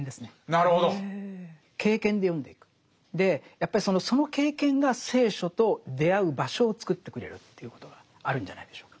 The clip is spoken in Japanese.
やっぱりその経験が聖書と出会う場所をつくってくれるということがあるんじゃないでしょうか。